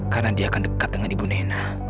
karena dia akan dekat dengan ibu nena